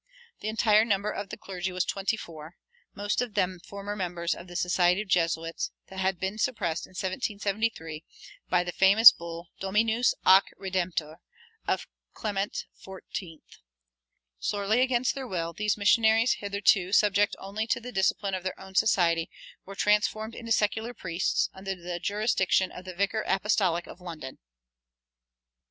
The entire number of the clergy was twenty four, most of them former members of the Society of Jesuits, that had been suppressed in 1773 by the famous bull, Dominus ac Redemptor, of Clement XIV. Sorely against their will, these missionaries, hitherto subject only to the discipline of their own society, were transformed into secular priests, under the jurisdiction of the Vicar Apostolic of London.